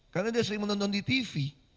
karena dia sering menonton di tv